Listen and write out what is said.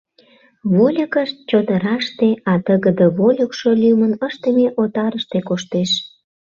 Вольыкышт — чодыраште, а тыгыде вольыкшо лӱмын ыштыме отарыште коштеш.